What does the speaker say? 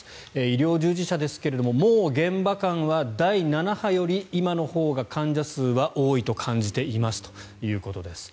医療従事者ですがもう現場感は第７波より今のほうが患者数は多いと感じていますということです。